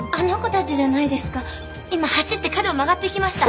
今走って角を曲がっていきました。